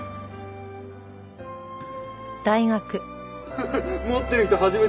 フフッ持ってる人初めて見た。